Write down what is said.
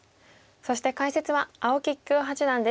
そして解説は青木喜久代八段です。